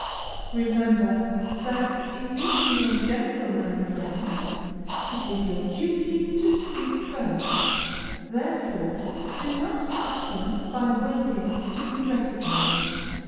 Remember that in meeting your gentlemen friends it is your duty to speak first, therefore do not cut them by waiting to be recognized.